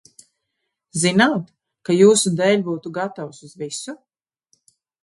Zināt, ka jūsu dēļ būtu gatavs uz visu?